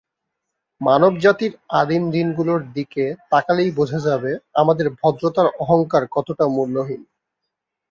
মানবজাতির আদিম দিনগুলোর দিকে তাকালেই বোঝা যাবে আমাদের ভদ্রতার অহংকার কতটা মূল্যহীন।